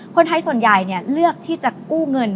คนไทยส่วนใหญ่เลือกที่จะกู้เงิน